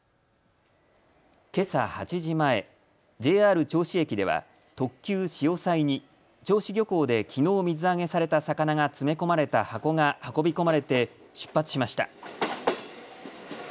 けさ８時前、ＪＲ銚子駅では特急しおさいに銚子漁港できのう水揚げされた魚が詰め込まれた箱が運び込まれて出発しました。